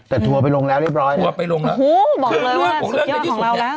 แต่ตัวไปลงแล้วเรียบร้อยนะโอ้โฮบอกเลยว่าสุดยอดของเราแล้ว